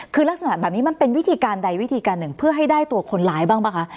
คือลักษณะแบบนี้มันเป็นวิธีการใดวิธีการหนึ่งเพื่อให้ได้ตัวคนร้ายบ้างป่ะคะ